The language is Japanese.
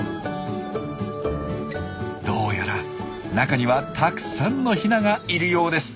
どうやら中にはたくさんのヒナがいるようです。